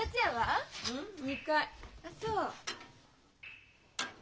あっそう。